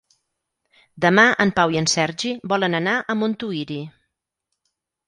Demà en Pau i en Sergi volen anar a Montuïri.